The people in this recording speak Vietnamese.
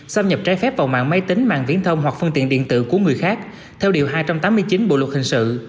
xâm nhập trái phép vào mạng máy tính mạng viễn thông hoặc phương tiện điện tử của người khác theo điều hai trăm tám mươi chín bộ luật hình sự